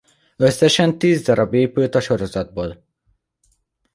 Összesen tíz db épült a sorozatból.